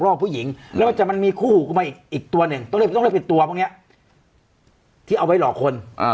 รอบผู้หญิงแล้วมันจะมีคู่หูมาอีกตัวนึงต้องเรียกเป็นตัวพวกนี้ที่เอาไว้หลอกคน